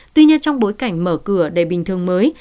tuy nhiên trong bối cảnh mở cửa đầy bình thường mới